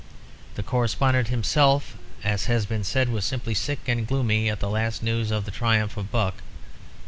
The Correspondent himself, as has been said, was simply sick and gloomy at the last news of the triumph of Buck.